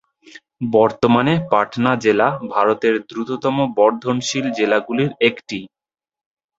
বর্তমানে পাটনা জেলা ভারতের দ্রুততম বর্ধনশীল জেলাগুলির একটি।